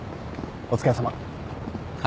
お疲れさま。